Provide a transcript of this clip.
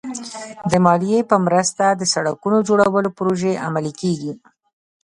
د مالیې په مرسته د سړکونو جوړولو پروژې عملي کېږي.